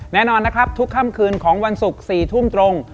แน่นอนนะครับทุกค่ำคืนของวันศุกร์๔ทุ่มตรง